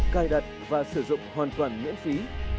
cài đặt và sử dụng hoàn toàn miễn phí